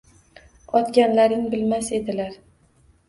Otganlarin bilmas edilar…